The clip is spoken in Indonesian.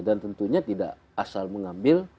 dan tentunya tidak asal mengambil